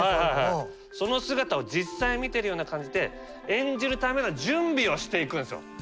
その姿を実際見てるような感じで演じるための準備をしていくんですよ。